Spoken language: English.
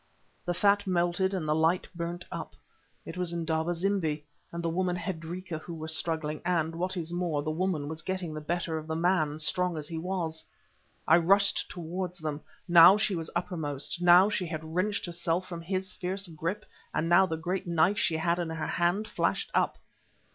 The fat melted and the light burnt up. It was Indaba zimbi and the woman Hendrika who were struggling, and, what is more, the woman was getting the better of the man, strong as he was. I rushed towards them. Now she was uppermost, now she had wrenched herself from his fierce grip, and now the great knife she had in her hand flashed up.